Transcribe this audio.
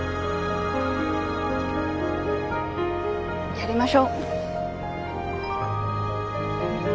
やりましょう。